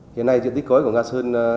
hiện nay diện tích cõi của nga sơn